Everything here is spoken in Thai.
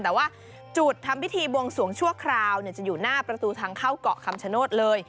แต่ว่าจุดทำพิธีบวงสวงชั่วคราวจะอยู่หน้าประตูทางเข้าเกาะคำชโนธเลย